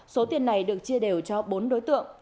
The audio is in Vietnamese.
số tiền này được chia đều cho bốn đối tượng